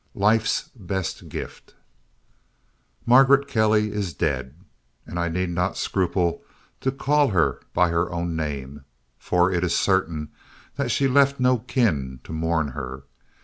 LIFE'S BEST GIFT Margaret Kelly is dead, and I need not scruple to call her by her own name. For it is certain that she left no kin to mourn her.